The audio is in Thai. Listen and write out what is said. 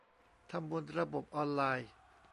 ทำบนระบบออนไลน์